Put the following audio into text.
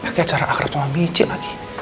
pakai acara akrab sama mici lagi